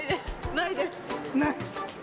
ない。